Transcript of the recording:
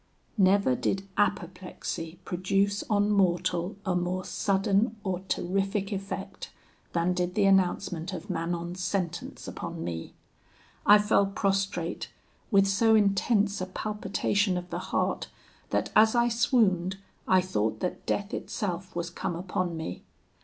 "Never did apoplexy produce on mortal a more sudden or terrific effect than did the announcement of Manon's sentence upon me. I fell prostrate, with so intense a palpitation of the heart, that as I swooned I thought that death itself was come upon me.